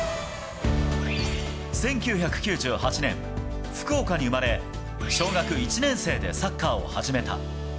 １９９８年、福岡に生まれ、小学１年生でサッカーを始めた。